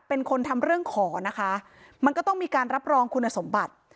เป็นคนทำเรื่องขอนะคะมันก็ต้องมีการรับรองคุณสมบัติ